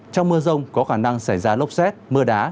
trong mưa rông có khả năng xảy ra lốc xét mưa đá